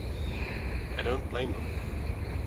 I don't blame them.